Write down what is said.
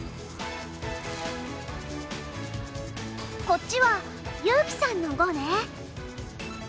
こっちは優希さんの碁ね。